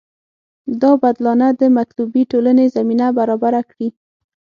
دا بدلانه د مطلوبې ټولنې زمینه برابره کړي.